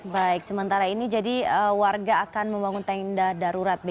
baik sementara ini jadi warga akan membangun tenda darurat